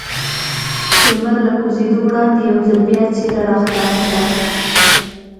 لمر له کوزېدو وړاندې یو ځل بیا څېره را ښکاره کړل.